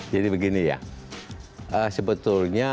jadi begini ya sebetulnya